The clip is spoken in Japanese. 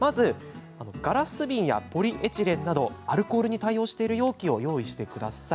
ガラス瓶やポリエチレンなどアルコールに対応している容器を用意してください。